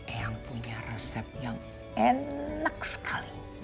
eyang punya resep yang enak sekali